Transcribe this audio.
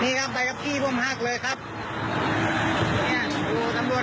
นี่ครับขี่มอเตยมาครับ